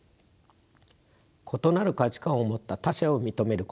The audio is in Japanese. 異なる価値観を持った他者を認めること。